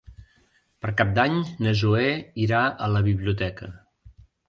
Per Cap d'Any na Zoè irà a la biblioteca.